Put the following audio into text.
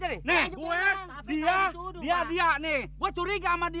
jangan pergi sama aku